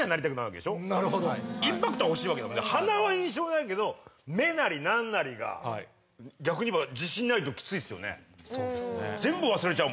インパクトは欲しい鼻は印象ないけど目なり何なりが逆に言えば自信ないとキツいですよね。